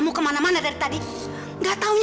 udah gak mendingan sih den